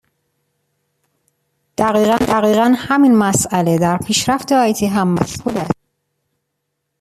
دقیقا همین مساله در پیشرفت آی تی هم مشهود است.